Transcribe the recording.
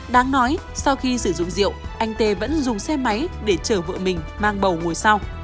đáng nói sau khi sử dụng rượu anh tê vẫn dùng xe máy để chở vợ mình mang bầu ngồi sau